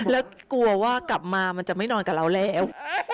แล้วกลัวว่ากลับมามันจะไม่นอนกับเราแล้ว